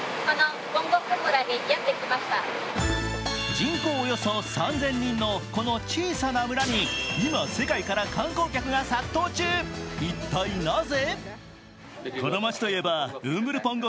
人口およそ３０００人のこの小さな村に今、世界から観光客が殺到中、一体なぜ？